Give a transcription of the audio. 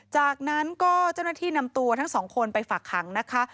จากนั้นก็เจ้าหน้าที่นำตัวทั้งสองคนไปฝากขังนะคะ